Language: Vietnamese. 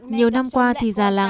nhiều năm qua thì già làng